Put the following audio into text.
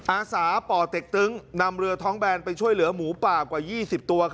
อาสาป่อเต็กตึงนำเรือท้องแบนไปช่วยเหลือหมูป่ากว่า๒๐ตัว